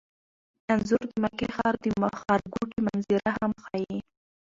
انځور د مکې ښار د ښارګوټي منظره هم ښيي.